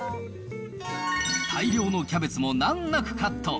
大量のキャベツも難なくカット。